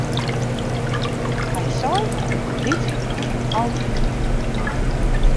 Hy sei dat ik te lyts wie foar in altfioele.